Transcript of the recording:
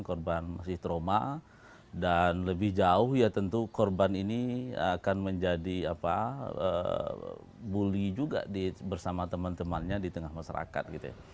korban masih trauma dan lebih jauh ya tentu korban ini akan menjadi bully juga bersama teman temannya di tengah masyarakat